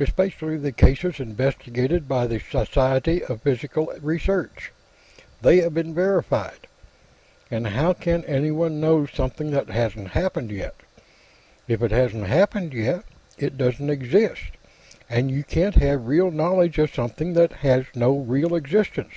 Especially the cases investigated by the Society for Psychical Research: they have been verified. But how can anybody know of something that hasn't happened yet? If it hasn't happened yet, it doesn't exist, and you can't have real knowledge of something that has no real existence."